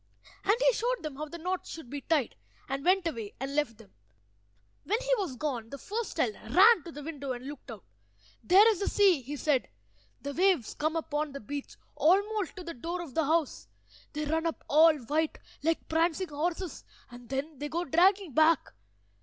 And he showed them how the knots should be tied, and went away and left them. When he was gone the first child ran to the window and looked out. "There is the sea," he said. "The waves come up on the beach, almost to the door of the house. They run up all white, like prancing horses, and then they go dragging back.